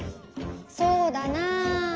そうだなあ。